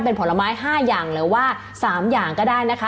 เป็นผลไม้๕อย่างหรือว่า๓อย่างก็ได้นะคะ